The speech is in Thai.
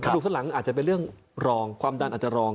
ลูกข้างหลังอาจจะเป็นเรื่องรองความดันอาจจะรอง